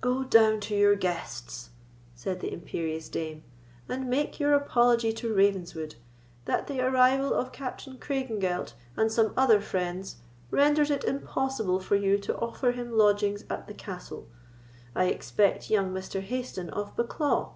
"Go down to your guests," said the imperious dame, "and make your apology to Ravenswood, that the arrival of Captain Craigengelt and some other friends renders it impossible for you to offer him lodgings at the castle. I expect young Mr. Hayston of Bucklaw."